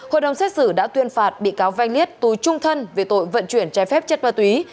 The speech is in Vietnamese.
hội đồng xét xử đã tuyên phạt bị cáo vanh liênết tù trung thân về tội vận chuyển trái phép chất ma túy